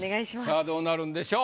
さあどうなるんでしょう？